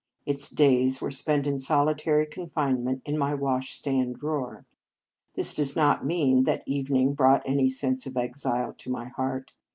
Its days were spent in solitary confinement in my washstand drawer. This does not mean that evening brought any sense of exile to my heart.